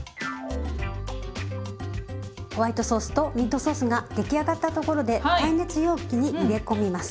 ホワイトソースとミートソースが出来上がったところで耐熱容器に入れ込みます。